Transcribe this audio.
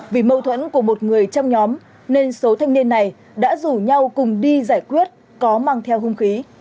vì mâu thuẫn của một người trong nhóm nên số thanh niên này đã rủ nhau cùng đi giải quyết có mang theo hung khí